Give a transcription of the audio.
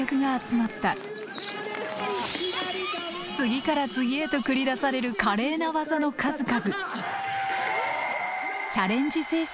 次から次へと繰り出される華麗な技の数々。